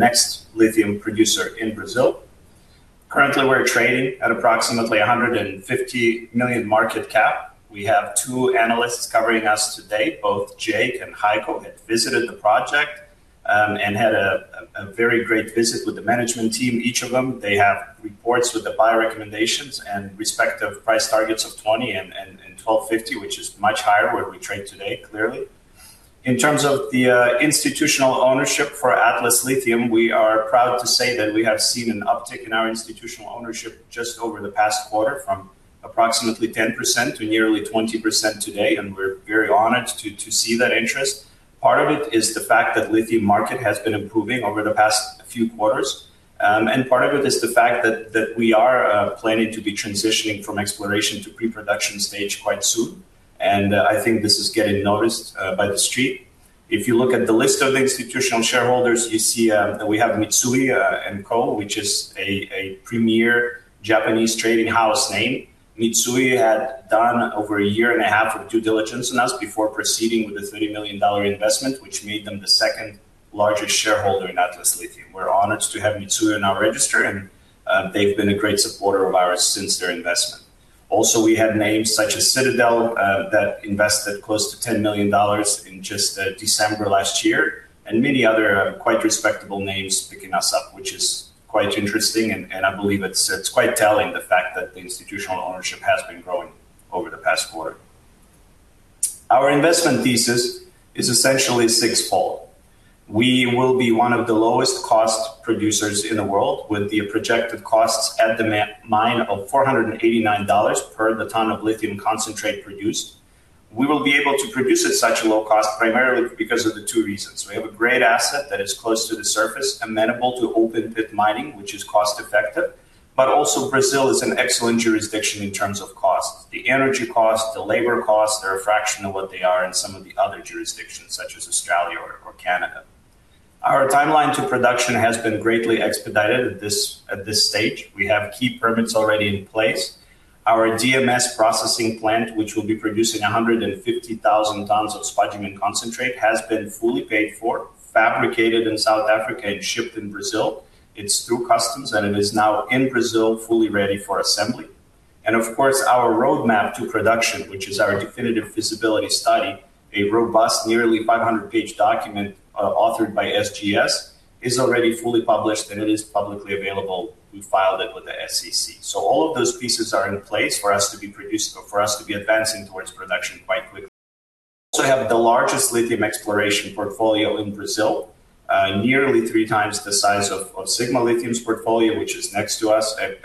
Next lithium producer in Brazil. Currently, we're trading at approximately a $150 million market cap. We have two analysts covering us today. Both Jake and Heiko had visited the project and had a very great visit with the management team, each of them. They have reports with the buy recommendations and respective price targets of $20 and $12.50, which is much higher where we trade today, clearly. In terms of the institutional ownership for Atlas Lithium, we are proud to say that we have seen an uptick in our institutional ownership just over the past quarter from approximately 10% to nearly 20% today, and we're very honored to see that interest. Part of it is the fact that lithium market has been improving over the past few quarters. Part of it is the fact that we are planning to be transitioning from exploration to pre-production stage quite soon. I think this is getting noticed by the street. If you look at the list of institutional shareholders, you see that we have Mitsui & Co., which is a premier Japanese trading house name. Mitsui had done over a year and a half of due diligence on us before proceeding with a $30 million investment, which made them the second largest shareholder in Atlas Lithium. We're honored to have Mitsui in our register, and they've been a great supporter of ours since their investment. We have names such as Citadel that invested close to $10 million in just December last year, and many other quite respectable names picking us up, which is quite interesting and I believe it's quite telling the fact that the institutional ownership has been growing over the past quarter. Our investment thesis is essentially sixfold. We will be one of the lowest cost producers in the world with the projected costs at the mine of $489 per the ton of lithium concentrate produced. We will be able to produce at such a low cost primarily because of the two reasons. We have a great asset that is close to the surface, amenable to open pit mining, which is cost effective. Brazil is an excellent jurisdiction in terms of cost. The energy cost, the labor cost, they're a fraction of what they are in some of the other jurisdictions such as Australia or Canada. Our timeline to production has been greatly expedited at this stage. We have key permits already in place. Our DMS processing plant, which will be producing 150,000 tons of spodumene concentrate, has been fully paid for, fabricated in South Africa, and shipped in Brazil. It's through customs. It is now in Brazil, fully ready for assembly. Of course, our roadmap to production, which is our definitive feasibility study, a robust nearly 500-page document, authored by SGS, is already fully published, and it is publicly available. We filed it with the SEC. All of those pieces are in place for us to be advancing towards production quite quickly. We have the largest lithium exploration portfolio in Brazil, nearly 3x the size of Sigma Lithium's portfolio, which is next to us, a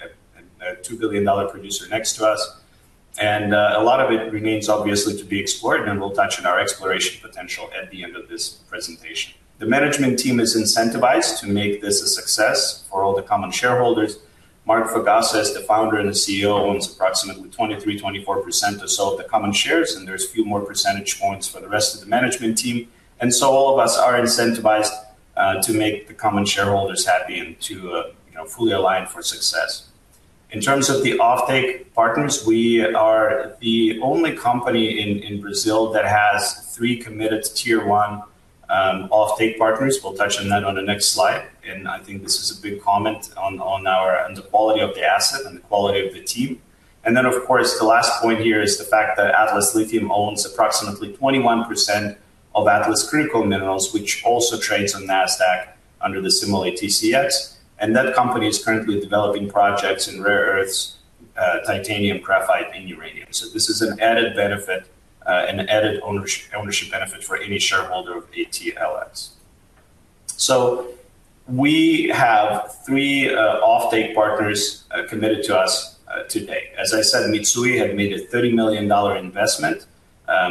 $2 billion producer next to us. A lot of it remains obviously to be explored, and we'll touch on our exploration potential at the end of this presentation. The management team is incentivized to make this a success for all the common shareholders. Marc Fogassa, the founder and the CEO, owns approximately 23%, 24% or so of the common shares, and there's a few more percentage points for the rest of the management team. All of us are incentivized to make the common shareholders happy and to, you know, fully align for success. In terms of the offtake partners, we are the only company in Brazil that has three committed Tier 1 offtake partners. We'll touch on that on the next slide. I think this is a big comment on the quality of the asset and the quality of the team. Of course, the last point here is the fact that Atlas Lithium owns approximately 21% of Atlas Critical Minerals, which also trades on Nasdaq under the symbol ATCX. That company is currently developing projects in rare earths, titanium, graphite, and uranium. This is an added benefit, an added ownership benefit for any shareholder of ATLX. We have three offtake partners committed to us today. As I said, Mitsui have made a $30 million investment.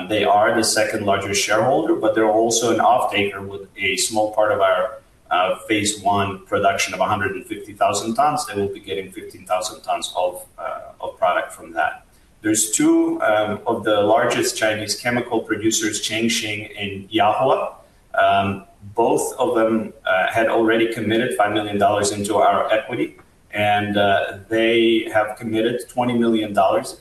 They are the second largest shareholder. They're also an offtaker with a small part of our phase one production of 150,000 tons. They will be getting 15,000 tons of product from that. There's two of the largest Chinese chemical producers, Chengxin and Yahua. Both of them had already committed $5 million into our equity. They have committed $20 million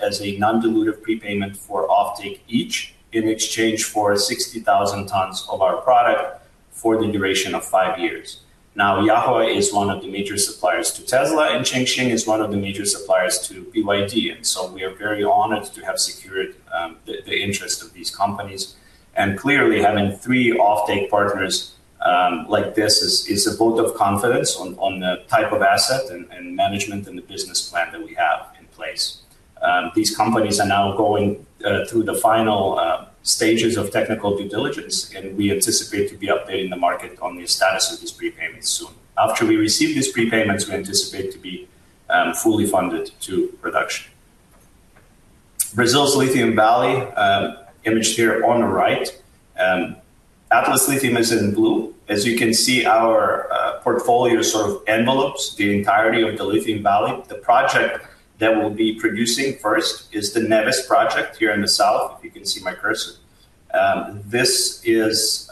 as a non-dilutive prepayment for offtake each in exchange for 60,000 tons of our product for the duration of five years. Yahua is one of the major suppliers to Tesla. Chengxin is one of the major suppliers to BYD. We are very honored to have secured the interest of these companies. Clearly, having three offtake partners, like this is a vote of confidence on the type of asset and management and the business plan that we have in place. These companies are now going through the final stages of technical due diligence, and we anticipate to be updating the market on the status of these prepayments soon. After we receive these prepayments, we anticipate to be fully funded to production. Brazil's Lithium Valley, imaged here on the right. Atlas Lithium is in blue. As you can see, our portfolio sort of envelopes the entirety of the Lithium Valley. The project that we'll be producing first is the Neves project here in the south, if you can see my cursor. This is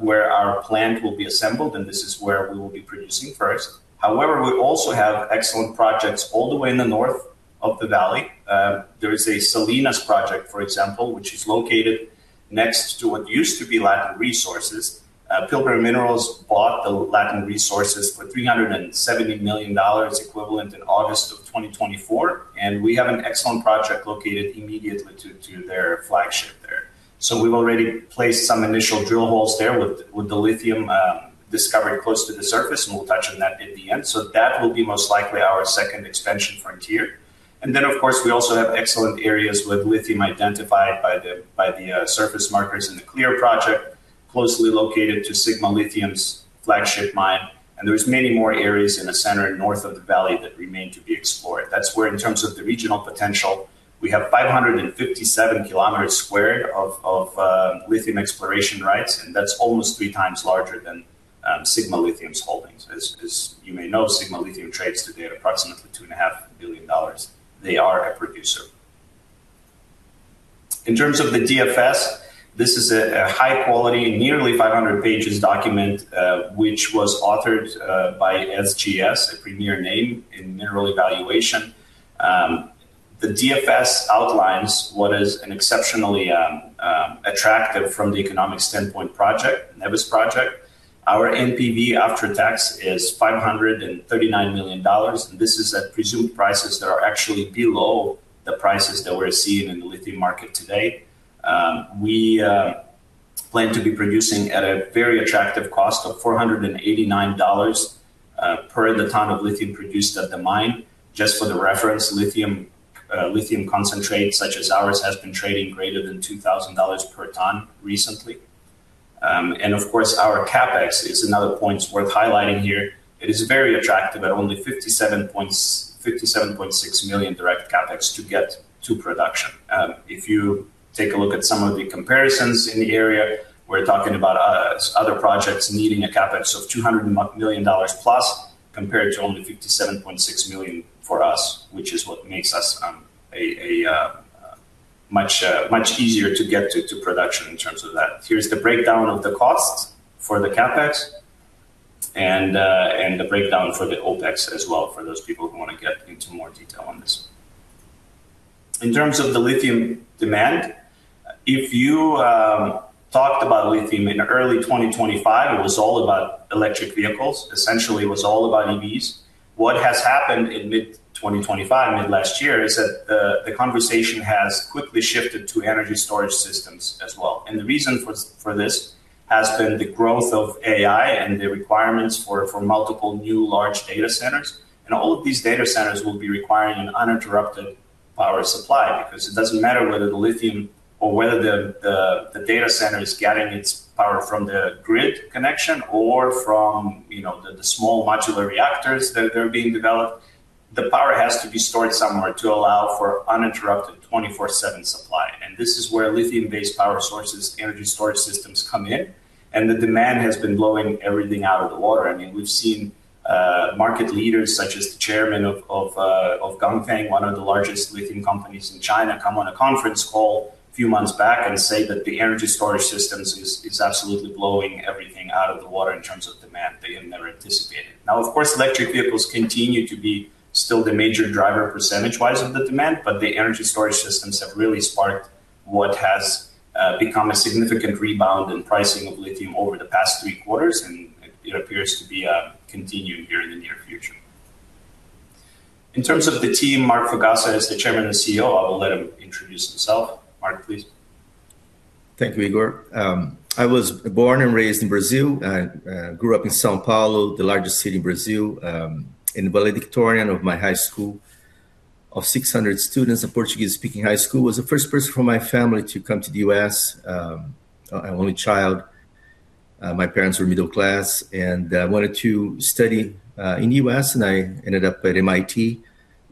where our plant will be assembled, and this is where we will be producing first. However, we also have excellent projects all the way in the north of the valley. There is a Salinas Project, for example, which is located next to what used to be Latin Resources. Pilbara Minerals bought the Latin Resources for $370 million equivalent in August of 2024, and we have an excellent project located immediately to their flagship there. We've already placed some initial drill holes there with the lithium discovery close to the surface, and we'll touch on that at the end. That will be most likely our second expansion frontier. Of course, we also have excellent areas with lithium identified by the surface markers in the Clear Project, closely located to Sigma Lithium's flagship mine. There's many more areas in the center and north of the valley that remain to be explored. That's where in terms of the regional potential, we have 557 kilometers squared of lithium exploration rights, and that's almost 3x larger than Sigma Lithium's holdings. As you may know, Sigma Lithium trades today at approximately $2.5 billion. They are a producer. In terms of the DFS, this is a high quality, nearly 500 pages document, which was authored by SGS, a premier name in mineral evaluation. The DFS outlines what is an exceptionally attractive from the economic standpoint project, Neves project. Our NPV after tax is $539 million, and this is at presumed prices that are actually below the prices that we're seeing in the lithium market today. We plan to be producing at a very attractive cost of $489 per the ton of lithium produced at the mine. Just for the reference, lithium concentrate such as ours has been trading greater than $2,000 per ton recently. And of course, our CapEx is another point worth highlighting here. It is very attractive at only $57.6 million direct CapEx to get to production. If you take a look at some of the comparisons in the area, we're talking about other projects needing a CapEx of $200+ million compared to only $57.6 million for us, which is what makes us a much easier to get to production in terms of that. Here's the breakdown of the costs for the CapEx and the breakdown for the OpEx as well for those people who want to get into more detail on this. In terms of the lithium demand, if you talked about lithium in early 2025, it was all about electric vehicles. Essentially, it was all about EVs. What has happened in mid 2025, mid last year, is that the conversation has quickly shifted to energy storage systems as well. The reason for this has been the growth of AI and the requirements for multiple new large data centers. All of these data centers will be requiring an uninterrupted power supply, because it doesn't matter whether the lithium or whether the data center is getting its power from the grid connection or from, you know, the small modular reactors that are being developed. The power has to be stored somewhere to allow for uninterrupted 24/7 supply. This is where lithium-based power sources, energy storage systems come in, and the demand has been blowing everything out of the water. I mean, we've seen market leaders such as the chairman of Ganfeng, one of the largest lithium companies in China, come on a conference call a few months back and say that the energy storage systems is absolutely blowing everything out of the water in terms of demand they had never anticipated. Now, of course, electric vehicles continue to be still the major driver percentage-wise of the demand, but the energy storage systems have really sparked what has become a significant rebound in pricing of lithium over the past three quarters, and it appears to be continuing here in the near future. In terms of the team, Marc Fogassa is the Chairman and CEO. I'll let him introduce himself. Marc, please. Thank you, Igor. I was born and raised in Brazil. I grew up in São Paulo, the largest city in Brazil. Valedictorian of my high school of 600 students, a Portuguese-speaking high school. I was the first person from my family to come to the U.S. I'm only child. My parents were middle class, and wanted to study in U.S., and I ended up at MIT,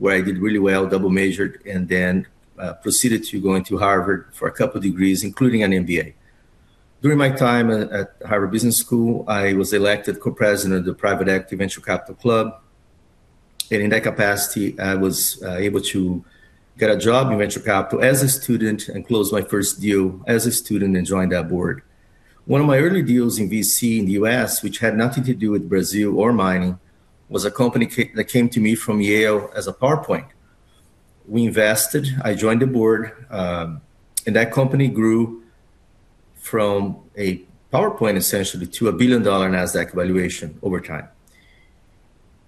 where I did really well, double majored, then proceeded to going to Harvard for a couple degrees, including an MBA. During my time at Harvard Business School, I was elected co-president of the Private Equity Venture Capital Club. In that capacity, I was able to get a job in venture capital as a student and close my first deal as a student and joined that board. One of my early deals in VC in the U.S., which had nothing to do with Brazil or mining, was a company that came to me from Yale as a PowerPoint. We invested, I joined the board, that company grew from a PowerPoint, essentially, to a billion-dollar Nasdaq valuation over time.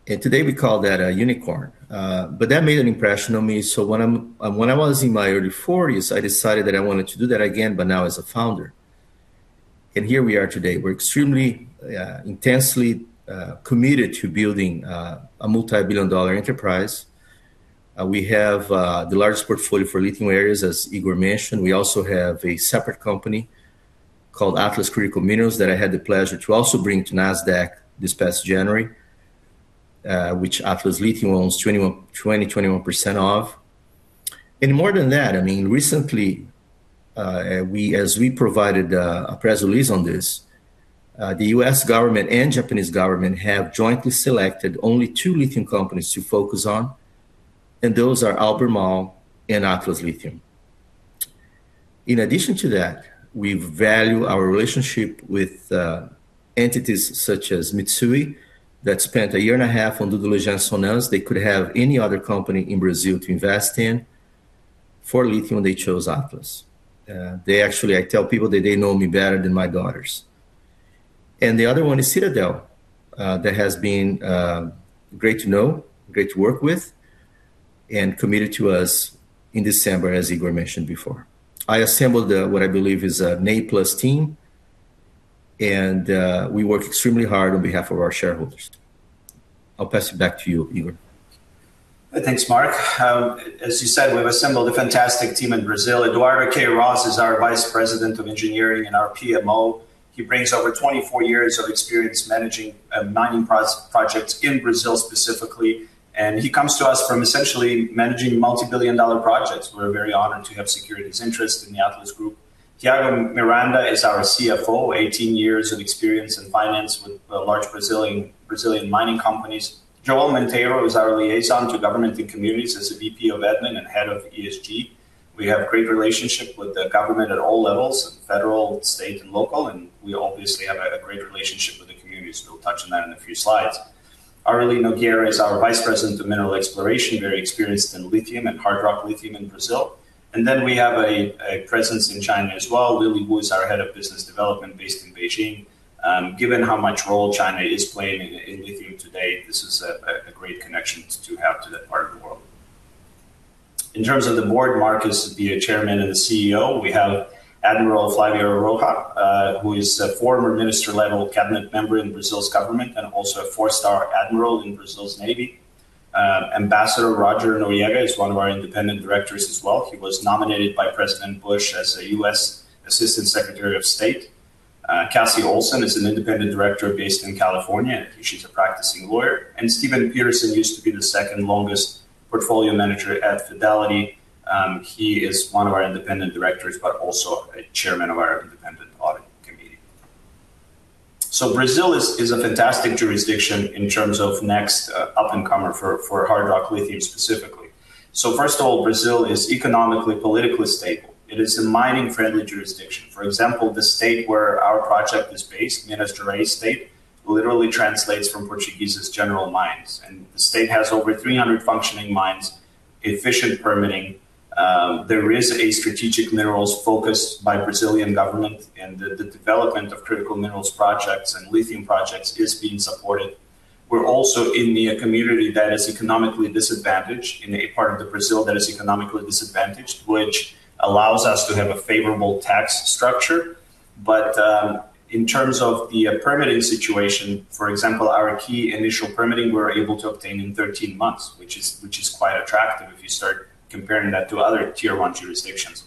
Today, we call that a unicorn. That made an impression on me. When I'm, when I was in my early 40s, I decided that I wanted to do that again, but now as a founder. Here we are today. We're extremely, intensely, committed to building a multi-billion dollar enterprise. We have the largest portfolio for lithium areas, as Igor mentioned. We also have a separate company called Atlas Critical Minerals that I had the pleasure to also bring to Nasdaq this past January, which Atlas Lithium owns 21% of. And more than that, I mean, recently, as we provided a press release on this, the U.S. government and Japanese government have jointly selected only two lithium companies to focus on, and those are Albemarle and Atlas Lithium. In addition to that, we value our relationship with entities such as Mitsui that spent a year and a half on due diligence on us, they could have any other company in Brazil to invest in. For lithium, they chose Atlas. They actually, I tell people that they know me better than my daughters. The other one is Citadel that has been great to know, great to work with, and committed to us in December, as Igor mentioned before. I assembled what I believe is an A-plus team, we work extremely hard on behalf of our shareholders. I'll pass it back to you, Igor. Thanks, Marc. As you said, we've assembled a fantastic team in Brazil. Eduardo Queiroz is our Vice President of Engineering and our PMO. He brings over 24 years of experience managing mining projects in Brazil specifically, and he comes to us from essentially managing multi-billion dollar projects. We're very honored to have secured his interest in the Atlas Group. Tiago Miranda is our CFO, 18 years of experience in finance with large Brazilian mining companies. Joel Monteiro is our liaison to government and communities as a VP of Admin and Head of ESG. We have great relationship with the government at all levels, federal, state, and local, and we obviously have a great relationship with the communities. We'll touch on that in a few slides. Areli Nogueira is our Vice President of Mineral Exploration, very experienced in lithium and hard rock lithium in Brazil. We have a presence in China as well. Lili Wu is our Head of Business Development based in Beijing. Given how much role China is playing in lithium today, this is a great connection to have to that part of the world. In terms of the board, Marc is the Chairman and the CEO. We have Admiral Flavio Rocha, who is a former minister-level cabinet member in Brazil's government and also a four-star admiral in Brazil's navy. Ambassador Roger F. Noriega is one of our independent directors as well. He was nominated by President Bush as a U.S. Assistant Secretary of State. Cassi Olson is an independent director based in California, and she's a practicing lawyer. Stephen R. Petersen used to be the second longest portfolio manager at Fidelity. He is one of our independent directors, but also a Chairman of our independent audit committee. Brazil is a fantastic jurisdiction in terms of next up-and-comer for hard rock lithium specifically. First of all, Brazil is economically, politically stable. It is a mining-friendly jurisdiction. For example, the state where our project is based, Minas Gerais state, literally translates from Portuguese as general mines. The state has over 300 functioning mines, efficient permitting. There is a strategic minerals focus by Brazilian government, and the development of critical minerals projects and lithium projects is being supported. We're also in a community that is economically disadvantaged, in a part of Brazil that is economically disadvantaged, which allows us to have a favorable tax structure. In terms of the permitting situation, for example, our key initial permitting, we're able to obtain in 13 months, which is quite attractive if you start comparing that to other Tier 1 jurisdictions.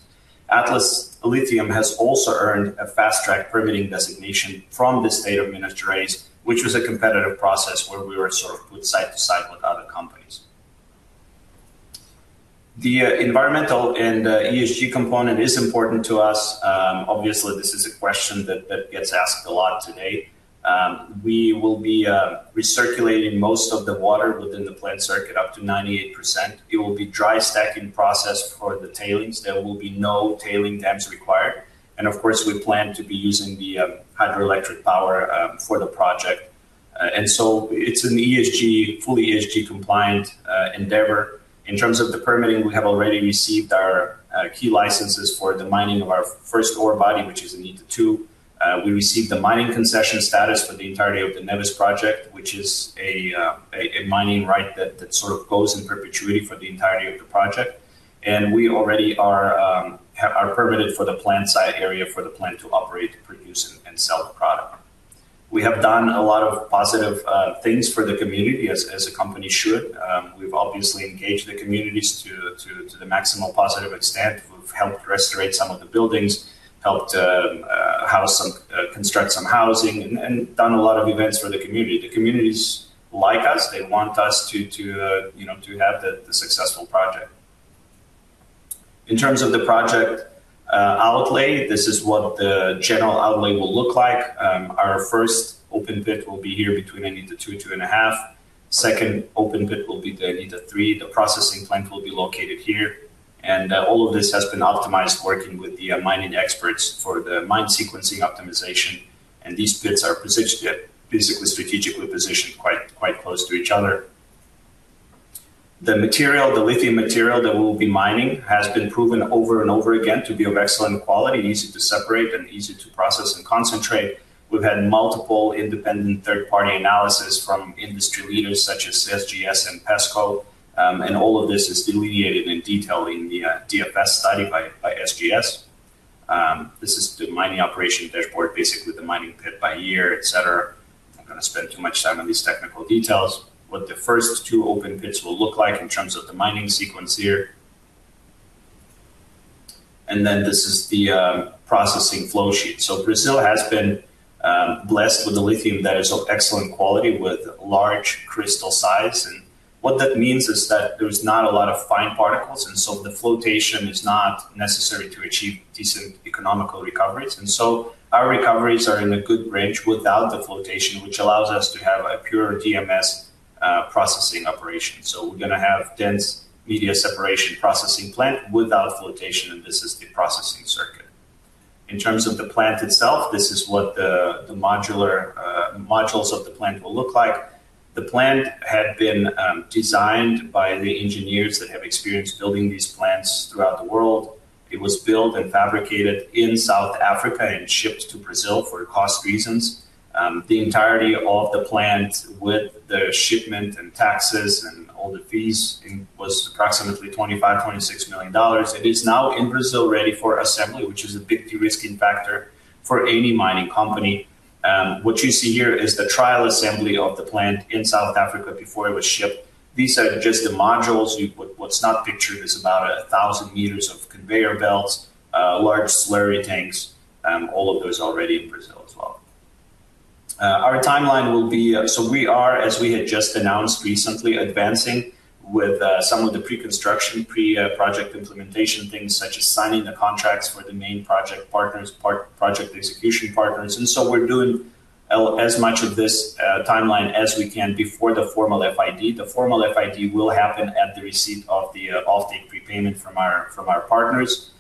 Atlas Lithium has also earned a fast-track permitting designation from the state of Minas Gerais, which was a competitive process where we were sort of put side to side with other companies. Environmental and ESG component is important to us. Obviously, this is a question that gets asked a lot today. We will be recirculating most of the water within the plant circuit up to 98%. It will be dry stacking process for the tailings. There will be no tailing dams required. Of course, we plan to be using the hydroelectric power for the project. It's an ESG, full ESG compliant endeavor. In terms of the permitting, we have already received our key licenses for the mining of our first ore body, which is in Anitta 2. We received the mining concession status for the entirety of the Neves Project, which is a mining right that sort of goes in perpetuity for the entirety of the project. We already are permitted for the plant site area for the plant to operate, produce, and sell the product. We have done a lot of positive things for the community as a company should. We've obviously engaged the communities to the maximal positive extent. We've helped restore some of the buildings, helped house some construct some housing, and done a lot of events for the community. The communities like us, they want us to, you know, to have the successful project. In terms of the project outlay, this is what the general outlay will look like. Our first open pit will be here between Anitta 2 and 2.5. Second open pit will be the Anitta 3. The processing plant will be located here. All of this has been optimized working with the mining experts for the mine sequencing optimization. These pits are basically strategically positioned quite close to each other. The material, the lithium material that we'll be mining has been proven over and over again to be of excellent quality, easy to separate, and easy to process and concentrate. We've had multiple independent third-party analysis from industry leaders such as SGS and POSCO. All of this is delineated in detail in the DFS study by SGS. This is the mining operation dashboard, basically the mining pit by year, et cetera. I'm not gonna spend too much time on these technical details. What the first two open pits will look like in terms of the mining sequence here. This is the processing flow sheet. Brazil has been blessed with a lithium that is of excellent quality with large crystal size. What that means is that there's not a lot of fine particles, the flotation is not necessary to achieve decent economical recoveries. Our recoveries are in a good range without the flotation, which allows us to have a pure DMS processing operation. We're gonna have dense media separation processing plant without flotation, this is the processing circuit. In terms of the plant itself, this is what the modular modules of the plant will look like. The plant had been designed by the engineers that have experience building these plants throughout the world. It was built and fabricated in South Africa and shipped to Brazil for cost reasons. The entirety of the plant with the shipment and taxes and all the fees it was approximately $25 million-$26 million. It is now in Brazil ready for assembly, which is a big de-risking factor for any mining company. What you see here is the trial assembly of the plant in South Africa before it was shipped. These are just the modules. What's not pictured is about 1,000 meters of conveyor belts, large slurry tanks, all of those are already in Brazil as well. Our timeline will be, we are, as we had just announced recently, advancing with some of the pre-construction, pre-project implementation things such as signing the contracts for the main project partners, project execution partners. We're doing as much of this timeline as we can before the formal FID. The formal FID will happen at the receipt of the off-take prepayment from our partners.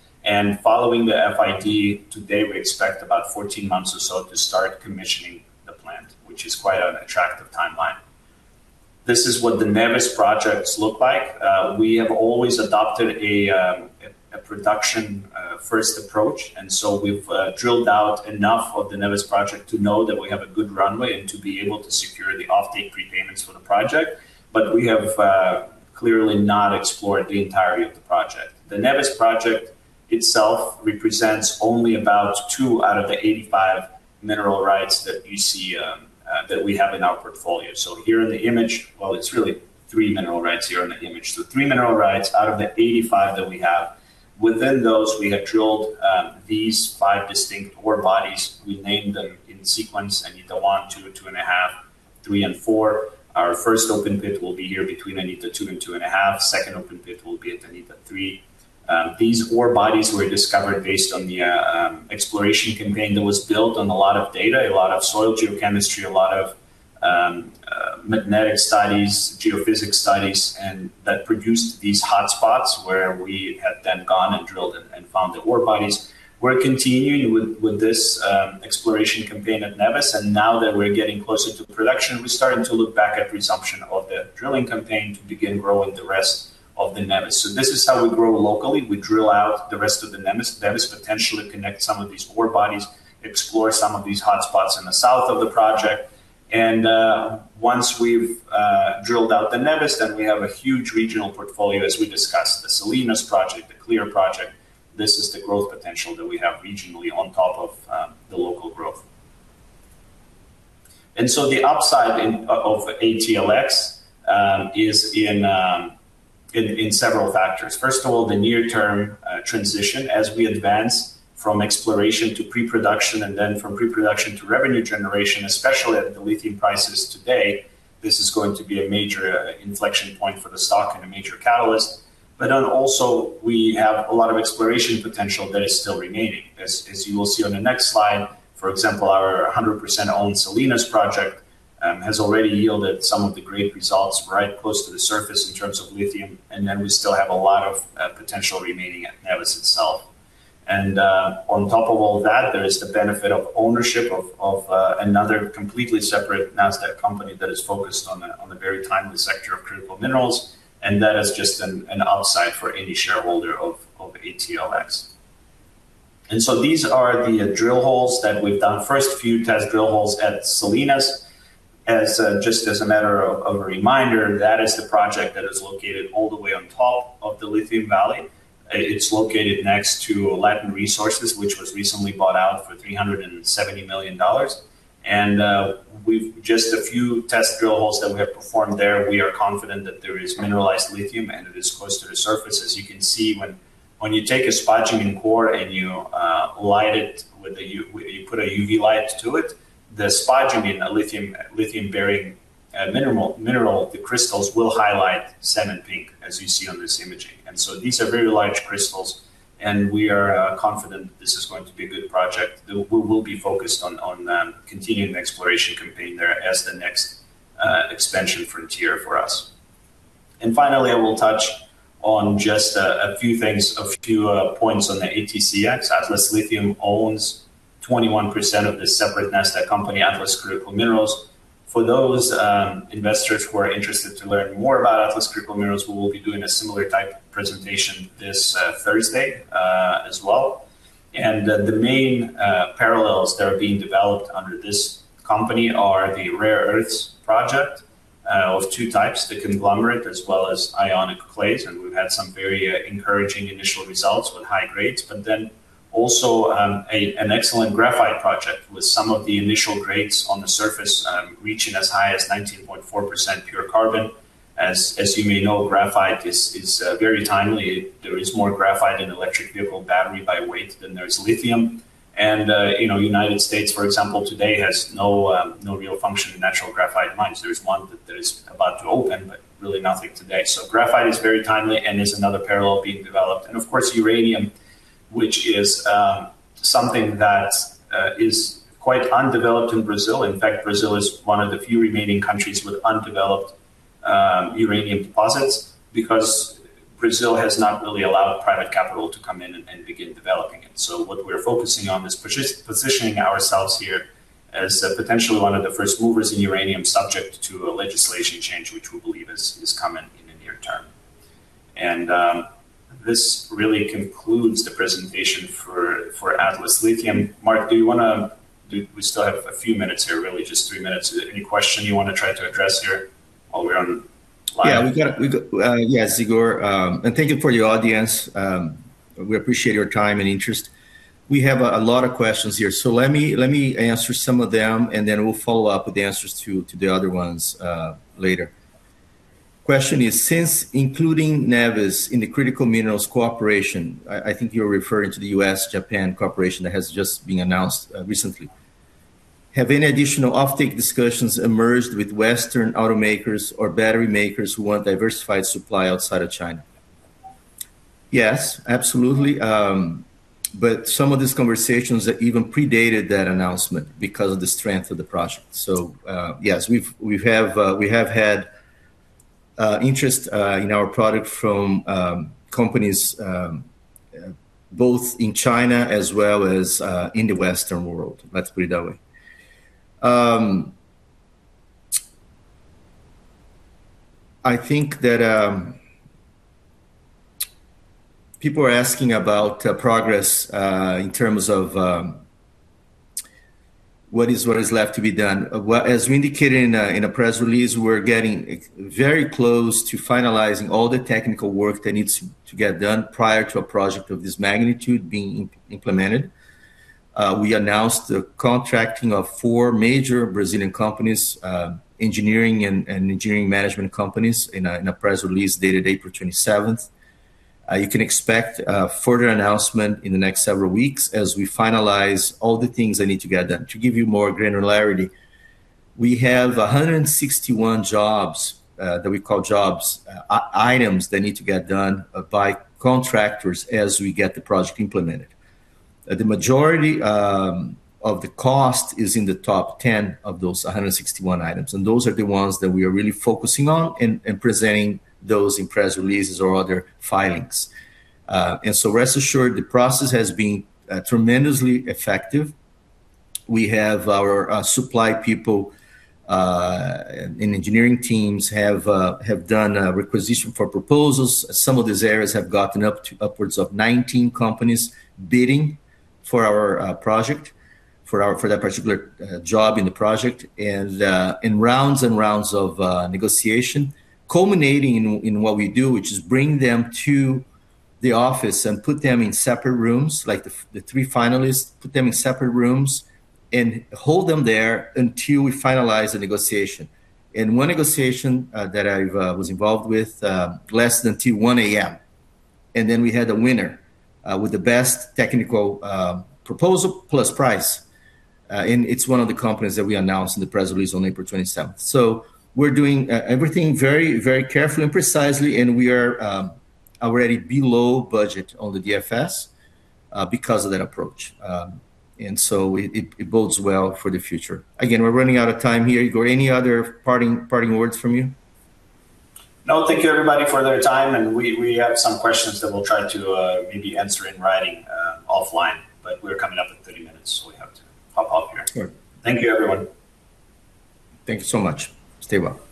Following the FID, today we expect about 14 months or so to start commissioning the plant, which is quite an attractive timeline. This is what the Neves projects look like. We have always adopted a production first approach, so we've drilled out enough of the Neves project to know that we have a good runway and to be able to secure the off-take prepayments for the project. We have clearly not explored the entirety of the project. The Neves project itself represents only about two out of the 85 mineral rights that you see that we have in our portfolio. Here in the image. Well, it's really three mineral rights here in the image, so three mineral rights out of the 85 that we have. Within those, we have drilled these five distinct ore bodies. We named them in sequence, Anitta 1, 2, 2.5, 3, and 4. Our first open pit will be here between Anitta 2 and 2.5. Second open pit will be at Anitta 3. These ore bodies were discovered based on the exploration campaign that was built on a lot of data, a lot of soil geochemistry, a lot of magnetic studies, geophysics studies, and that produced these hotspots where we have then gone and drilled and found the ore bodies. We're continuing with this exploration campaign at Neves, and now that we're getting closer to production, we're starting to look back at resumption of the drilling campaign to begin growing the rest of the Neves. This is how we grow locally. We drill out the rest of the Neves, potentially connect some of these ore bodies, explore some of these hotspots in the south of the project, and once we've drilled out the Neves, then we have a huge regional portfolio as we discussed, the Salinas project, the Clear Project. This is the growth potential that we have regionally on top of the local growth. The upside of ATLX is in several factors. First of all, the near term transition as we advance from exploration to pre-production and then from pre-production to revenue generation, especially at the lithium prices today, this is going to be a major inflection point for the stock and a major catalyst. Also we have a lot of exploration potential that is still remaining. As you will see on the next slide, for example, our 100% owned Salinas Project has already yielded some of the great results right close to the surface in terms of lithium, and then we still have a lot of potential remaining at Neves itself. On top of all that, there is the benefit of ownership of another completely separate Nasdaq company that is focused on the very timely sector of critical minerals, and that is just an upside for any shareholder of ATLX. These are the drill holes that we've done. First few test drill holes at Salinas. As just as a matter of reminder, that is the project that is located all the way on top of the Lithium Valley. It's located next to Latin Resources, which was recently bought out for $370 million. We've just a few test drill holes that we have performed there. We are confident that there is mineralized lithium, and it is close to the surface. As you can see, when you take a spodumene core and you light it, you put a UV light to it, the spodumene, the lithium-bearing mineral, the crystals will highlight salmon pink as you see on this imaging. These are very large crystals, and we are confident this is going to be a good project. We will be focused on continuing the exploration campaign there as the next expansion frontier for us. Finally, I will touch on just a few things, a few points on the ATCX. Atlas Lithium owns 21% of the separate Nasdaq company, Atlas Critical Minerals. For those investors who are interested to learn more about Atlas Critical Minerals, we will be doing a similar type of presentation this Thursday as well. The main parallels that are being developed under this company are the rare earths project of two types, the conglomerate as well as ionic clays. We've had some very encouraging initial results with high grades, also an excellent graphite project with some of the initial grades on the surface reaching as high as 19.4% pure carbon. As you may know, graphite is very timely. There is more graphite in electric vehicle battery by weight than there is lithium. You know, U.S., for example, today has no real functioning natural graphite mines. There's one that is about to open, but really nothing today. Graphite is very timely and is another parallel being developed. Of course, uranium, which is something that's quite undeveloped in Brazil. In fact, Brazil is one of the few remaining countries with undeveloped uranium deposits because Brazil has not really allowed private capital to come in and begin developing it. What we're focusing on is positioning ourselves here as potentially one of the first movers in uranium subject to a legislation change, which we believe is coming in the near term. This really concludes the presentation for Atlas Lithium. Marc, do you wanna, we still have a few minutes here? Really just three minutes. Any question you wanna try to address here while we're on live? Yeah, we got, yes, Igor. Thank you for the audience. We appreciate your time and interest. We have a lot of questions here, let me answer some of them, and then we'll follow up with the answers to the other ones later. Question is, since including Neves in the Critical Minerals Cooperation, I think you're referring to the U.S.-Japan cooperation that has just been announced recently. Have any additional offtake discussions emerged with Western automakers or battery makers who want diversified supply outside of China? Yes, absolutely. But, some of these conversations even predated that announcement because of the strength of the project. Yes, we have had interest in our product from companies both in China as well as in the Western world. Let's put it that way. I think that people are asking about progress in terms of what is, what is left to be done. As we indicated in a press release, we're getting very close to finalizing all the technical work that needs to get done prior to a project of this magnitude being implemented. We announced the contracting of four major Brazilian companies, engineering and engineering management companies in a press release dated April 27th. You can expect a further announcement in the next several weeks as we finalize all the things that need to get done. To give you more granularity, we have 161 jobs that we call jobs, items that need to get done by contractors as we get the project implemented. The majority of the cost is in the top 10 of those 161 items, and those are the ones that we are really focusing on and presenting those in press releases or other filings. Rest assured the process has been tremendously effective. We have our supply people and engineering teams have done a requisition for proposals. Some of these areas have gotten up to upwards of 19 companies bidding for our project, for that particular job in the project. In rounds of negotiation culminating in what we do, which is bring them to the office and put them in separate rooms, like the three finalists, put them in separate rooms and hold them there until we finalize the negotiation. In one negotiation that I've was involved with less than till 1 A.M. and then we had a winner with the best technical proposal plus price. It's one of the companies that we announced in the press release on April 27th. We're doing everything very, very carefully and precisely, and we are already below budget on the DFS because of that approach. It bodes well for the future. Again, we're running out of time here. Igor, any other parting words from you? No, thank you, everybody, for their time. We have some questions that we'll try to maybe answer in writing, offline, but we're coming up on 30 minutes, so we have to hop off here. Thank you, everyone. Thank you so much. Stay well.